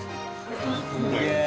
すげえ！